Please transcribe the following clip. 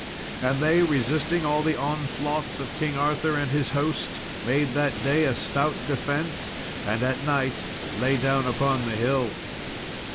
And they, resisting all the onslaughts of King Arthur and his host, made that day a stout defence, and at night lay down upon the hill.